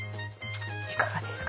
いかがですか？